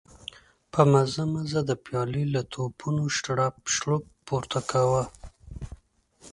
په مزه مزه د پيالې له تپونو شړپ شړوپ پورته کاوه.